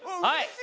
はい。